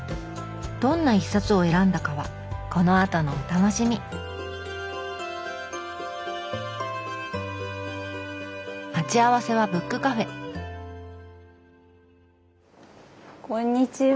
どんな一冊を選んだかはこのあとのお楽しみ待ち合わせはブックカフェこんにちは。